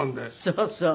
そうそう。